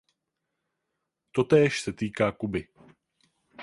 Totéž se týká Kuby.